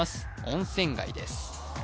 温泉街です